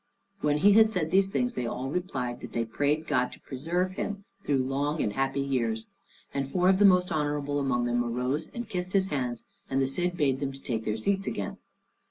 When he had said these things, they all replied that they prayed God to preserve him through long and happy years; and four of the most honorable among them arose and kissed his hands, and the Cid bade them take their seats again.